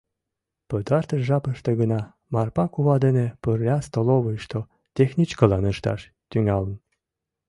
Пытартыш жапыште гына Марпа кува дене пырля столовойышто техничкылан ышташ тӱҥалын.